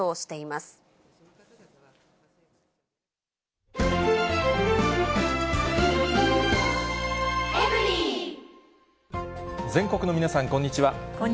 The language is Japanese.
一方、全国の皆さん、こんにちは。